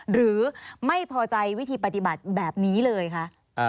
หรือไม่พอใจวิธีปฏิบัติแบบนี้เลยคะ